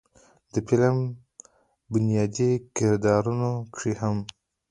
د فلم بنيادي کردارونو کښې هم